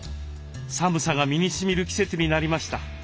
寒さが身にしみる季節になりました。